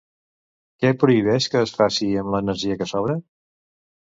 Què prohibeix que es faci amb l'energia que sobra?